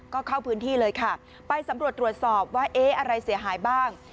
ก็เข้าพื้นที่เลยค่ะไปสำรวจตรวจสอบว่าเอ๊ะอะไรเสียหายบ้าง